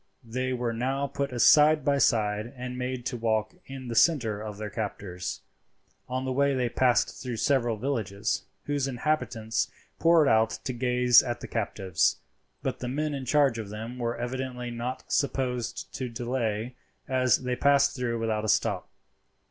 They were now put side by side and made to walk in the centre of their captors. On the way they passed through several villages, whose inhabitants poured out to gaze at the captives; but the men in charge of them were evidently not disposed to delay, as they passed through without a stop.